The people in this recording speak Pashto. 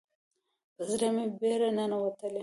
په زړه مې بیره ننوتلې